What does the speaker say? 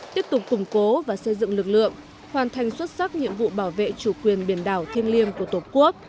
tiếp tục củng cố và xây dựng lực lượng hoàn thành xuất sắc nhiệm vụ bảo vệ chủ quyền biển đảo thiêng liêng của tổ quốc